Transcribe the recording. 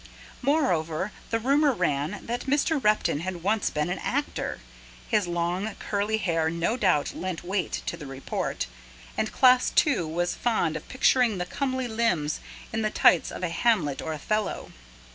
Moreover, the rumour ran that Mr. Repton had once been an actor his very curly hair no doubt lent weight to the report and Class Two was fond of picturing the comely limbs in the tights of a Hamlet or Othello.